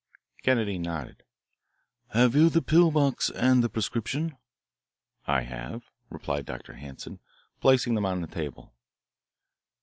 Kennedy nodded. "Have you the pill box and the prescription?" "I have," replied Dr. Hanson, placing them on the table.